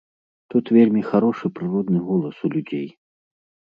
Тут вельмі харошы прыродны голас у людзей.